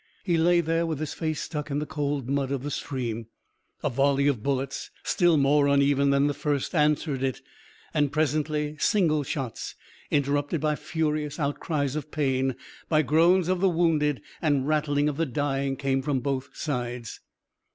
He lay there with his face stuck in the cold mud of the stream. A volley of bullets, still more uneven than the first answered it, and presently single shots, interrupted by furious outcries of pain, by groans of the wounded and rattling of the dying came from both sides.